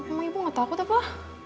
emang ibu nggak takut apa lah